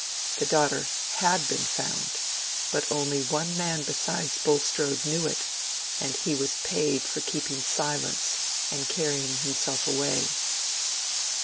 The daughter had been found; but only one man besides Bulstrode knew it, and he was paid for keeping silence and carrying himself away.